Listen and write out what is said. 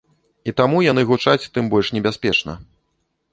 І таму яны гучаць тым больш небяспечна.